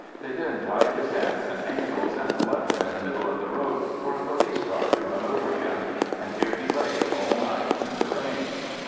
They then tied his hands and ankles, and left him in the middle of the road for a police car to run over him. And here he lay all night in the rain.